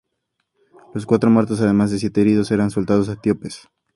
Los cuatro muertos, además de siete heridos, eran soldados etíopes.